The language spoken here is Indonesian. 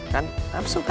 kan hapsu kan